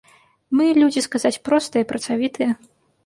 Мы людзі, сказаць, простыя і працавітыя.